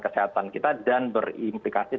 kesehatan kita dan berimplikasi